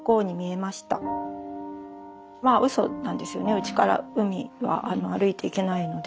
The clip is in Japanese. うちから海は歩いて行けないので。